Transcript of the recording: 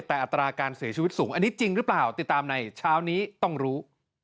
แต่อัตราการเสียชีวิตสูงอันนี้จริงหรือเปล่าติดตามในเช้านี้ต้องรู้